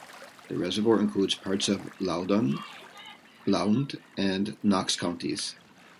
The reservoir includes parts of Loudon, Blount, and Knox counties.